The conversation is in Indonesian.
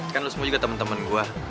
kan lo semua juga temen temen gue